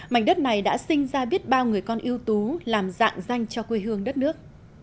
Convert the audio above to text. mảnh đất này đã sinh ra biết bao người con ưu tú làm dạng danh cho quê hương đất nước